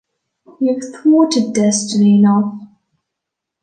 You’ve thwarted destiny enough.